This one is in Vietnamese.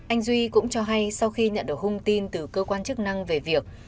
anh duy cũng cho hay sau khi nhận được hung tin từ cơ quan chức năng về việc